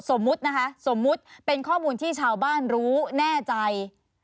สมมุตินะคะสมมุติเป็นข้อมูลที่ชาวบ้านรู้แน่ใจ